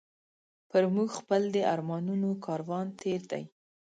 پر موږ خپل د ارمانونو کاروان تېر دی